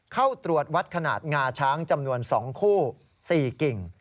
เข้าตรวจวัดขนาดงาช้างจำนวน๒คู่๔กิ่ง